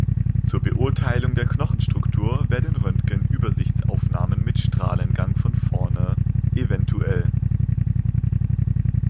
Zur Beurteilung der Knochenstruktur werden Röntgen-Übersichtsaufnahmen mit Strahlengang von vorne, evtl.